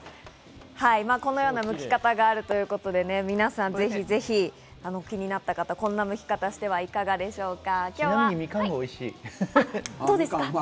このようなむき方があるということで皆さん、ぜひぜひ気になった方、こんなむき方してはいかがでしょうか？